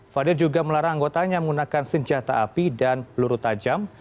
fadil juga melarang anggotanya menggunakan senjata api dan peluru tajam